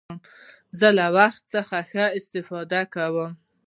زه له وخت څخه ښه استفاده کوم.